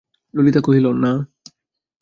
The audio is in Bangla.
ললিতা কহিল, না।